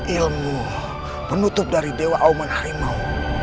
ilmu penutup dari dewa aman harimau